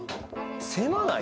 狭ない？